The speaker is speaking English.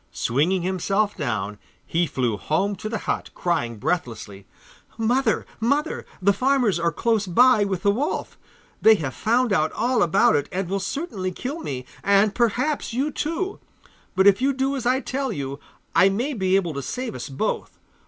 Swinging himself down, he flew home to the hut, crying breathlessly, 'Mother, mother, the farmers are close by with the wolf. They have found out all about it, and will certainly kill me, and perhaps you too. But if you do as I tell you, I may be able to save us both.